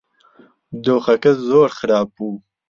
دۆخەکە زۆر خراپ بوو.